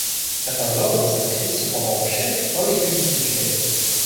Certains ordres s'inscrivent cependant en chef, dans l'écu du titulaire.